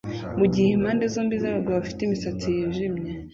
mugihe impande zombi zabagabo bafite imisatsi yijimye